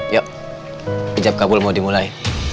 yuk hijab kabul mau dimulai